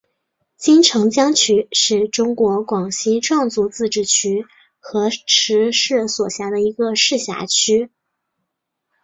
金城江区是中国广西壮族自治区河池市所辖的一个市辖区。